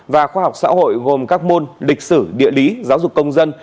và khoa học xã hội gồm các môn lịch sử địa lý giáo dục công dân